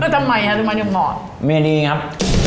ทำไมครับทำไมนี่มอบ